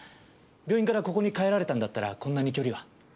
病院からここに帰られたんだったらこんなに距離は。